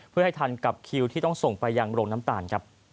เพื่อให้ทันกับคิวที่ต้องส่งไปยังโรงน้ำตาลครับ